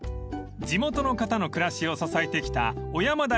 ［地元の方の暮らしを支えてきた］